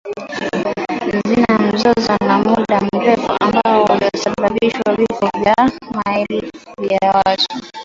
Zina mzozo wa muda mrefu ambao ulisababishwa vifo vya maelfu ya watu.